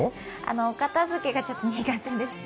お片づけがちょっと苦手でして。